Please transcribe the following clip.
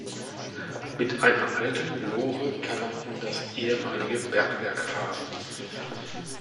Mit einer alten Lore kann man in das ehemalige Bergwerk fahren.